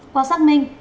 quáu xác minh